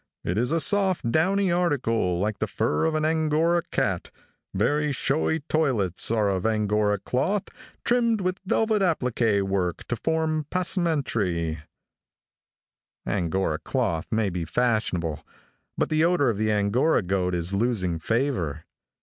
It is a soft, downy article, like the fur of an Angora cat. Very showy toilets are of Angora cloth, trimmed with velvet applique work to form passementerie. Angora cloth may be fashionable, but the odor of the Angora goat is losing favor.